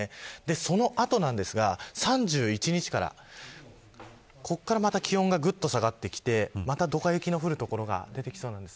その後ですが、３１日からここからまた気温がぐっと下がってきてまた、どか雪の降る所が出てきそうです。